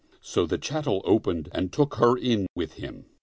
So the chattel opened and took her in with him.